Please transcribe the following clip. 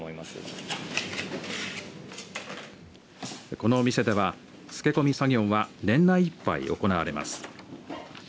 このお店では、漬け込み作業は年内いっぱい行われます。